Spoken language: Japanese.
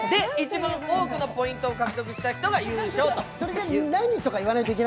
一番多くのポイントを獲得したが優勝。